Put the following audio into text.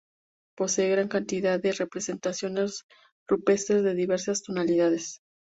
Posee gran cantidad de representaciones rupestres de diversas tonalidades.